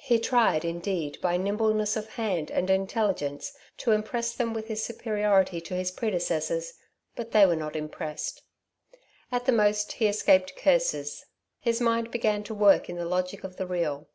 He tried, indeed, by nimbleness of hand and intelligence, to impress them with his superiority to his predecessors, but they were not impressed. At the most he escaped curses. His mind began to work in the logic of the real.